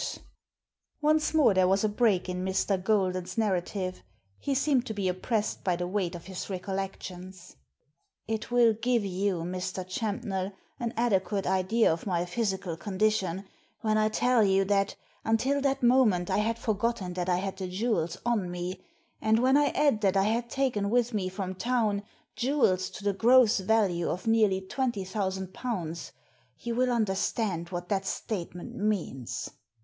'" Digitized by VjOOQIC 254 THE SEEN AND THE UNSEEN Once more there was a break in Mr. Golden's narrative — he seemed to be oppressed by the weight of his recollections. I " It will give you, Mr. Champnell, an adequate idea of my physical condition when I tell you that, until that moment, I had foigotten that I had the jewels on me, and when I add that I had taken with me from town jewels to the gross value of nearly £20,000 you will understand what that statement means.